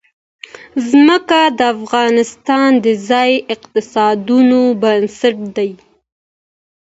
ځمکه د افغانستان د ځایي اقتصادونو بنسټ دی.